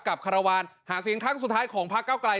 คารวาลหาเสียงครั้งสุดท้ายของพระเก้าไกล